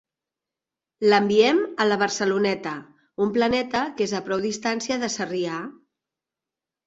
L'enviem a la Barceloneta, un planeta que és a prou distància de Sarrià.